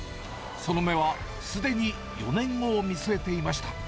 その目はすでに４年後を見据えていました。